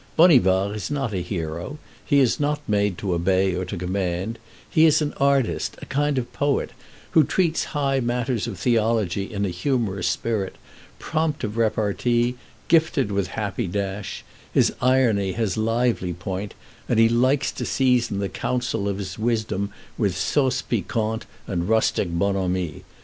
Bonivard is not a hero; he is not made to obey or to command; he is an artist, a kind of poet, who treats high matters of theology in a humorous spirit; prompt of repartee, gifted with happy dash; his irony has lively point, and he likes to season the counsels of wisdom with sauce piquante and rustic bonhomie....